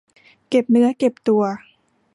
เก็บเนื้อเก็บตัว